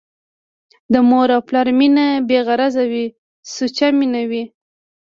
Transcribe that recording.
د مور او پلار مينه بې غرضه وي ، سوچه مينه وي